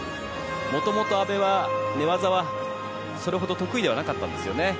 もともと、阿部は寝技はそれほど得意ではなかったんですよね。